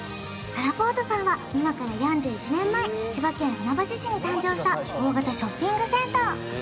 ららぽーとさんは今から４１年前千葉県船橋市に誕生した大型ショッピングセンター